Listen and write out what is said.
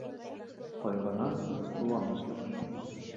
Ҡайғынан һуң ҡыуаныс яҡшы